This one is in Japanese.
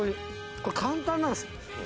これ簡単なんです。